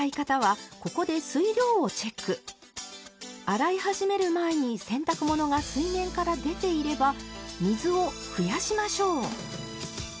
洗い始める前に洗濯物が水面から出ていれば水を増やしましょう。